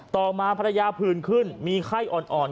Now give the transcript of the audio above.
ต่อมาภรรยาผื่นขึ้นมีไข้อ่อน